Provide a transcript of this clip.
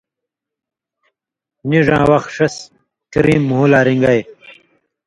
نیڙاں وخ ݜس کریم مھو لا رِݩگائ۔